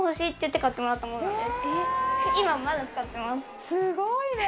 すごいね！